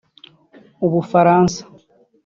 Ubufaransa